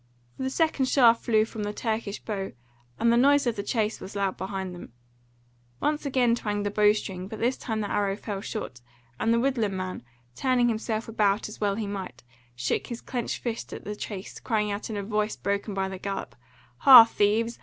For the second shaft flew from the Turkish bow, and the noise of the chase was loud behind them. Once again twanged the bow string, but this time the arrow fell short, and the woodland man, turning himself about as well as he might, shook his clenched fist at the chase, crying out in a voice broken by the gallop: "Ha, thieves!